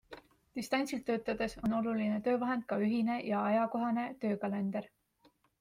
Distantsilt töötades on oluline töövahend ka ühine ja ajakohane töökalender.